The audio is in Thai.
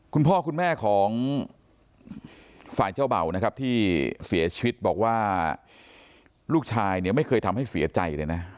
คุณพ่อคุณแม่ของฝ่ายเจ้าเบ่านะครับที่เสียชีวิตบอกว่าลูกชายเนี่ยไม่เคยทำให้เสียใจเลยนะ